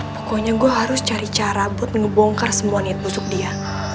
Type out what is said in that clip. pokoknya gue harus cari cara buat ngebongkar semua niat busuk dia